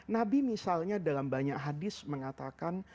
nabi misalnya dalam banyak hadis mengatakan